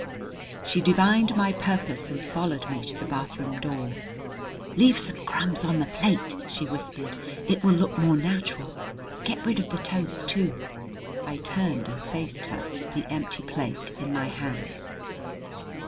She divined my purpose and followed me to the bathroom door. "Leave some crumbs on the plate!" she whispered. "It will look more natural. Get rid of the toast too." I turned and faced her, the empty plate in my hands.